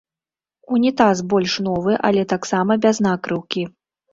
Унітаз больш новы, але таксама без накрыўкі.